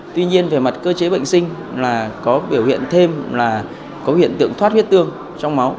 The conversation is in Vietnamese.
tuy nhiên về mặt cơ chế bệnh sinh là có biểu hiện thêm là có hiện tượng thoát huyết tương trong máu